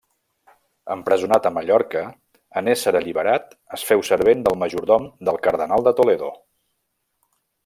Empresonat a Mallorca, en ésser alliberat es féu servent del majordom del cardenal de Toledo.